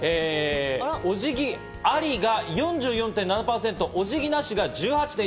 おじぎありが４４．７％、お辞儀なしが１８．１％。